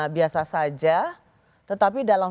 biasa saja tetapi dalam